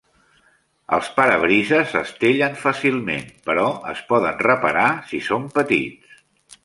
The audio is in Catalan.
Els parabrises s'estellen fàcilment, però es poden reparar si són petits.